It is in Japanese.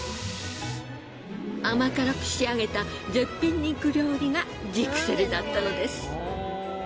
甘辛く仕上げた絶品肉料理がジクセルだったのです。